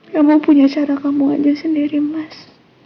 kamu punya cara kamu aja sendiri mas